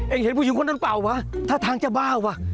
เห็นผู้หญิงคนนั้นเปล่าวะท่าทางจะบ้าว่ะ